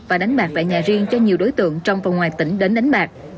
và đánh bạc tại nhà riêng cho nhiều đối tượng trong và ngoài tỉnh đến đánh bạc